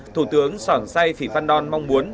thủ tướng sởn say sĩ văn đoan mong muốn